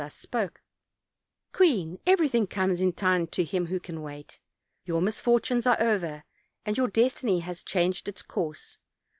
thus spoke: "Queen, everything comes in time to him who can wait. Your misfortunes are over, and your destiny has changed its course.